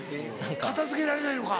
片付けられないのか。